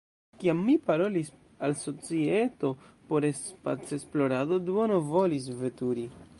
Kiam mi parolis al societo por spacesplorado, duono volis veturi.